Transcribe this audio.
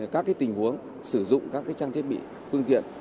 các cái tình huống sử dụng các cái trang thiết bị phương tiện